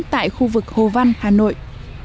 tại khu vực hồ văn hà nội